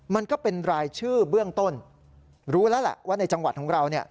มันก็เป็นรายชื่อเบื้องต้นรู้แล้วแหละว่าในจังหวัดของเราเนี่ย